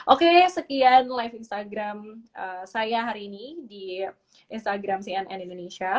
oke sekian live instagram saya hari ini di instagram cnn indonesia